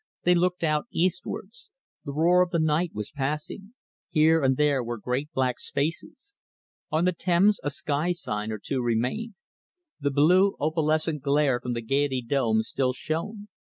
They looked out eastwards. The roar of the night was passing. Here and there were great black spaces. On the Thames a sky sign or two remained. The blue, opalescent glare from the Gaiety dome still shone.